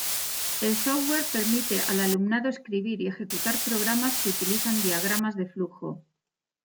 El software permite al alumnado escribir y ejecutar programas que utilizan diagramas de flujo.